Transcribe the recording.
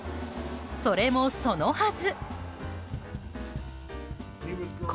それもそのはず。